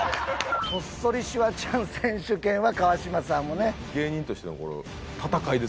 「こっそりシュワちゃん選手権」は川島さんもね。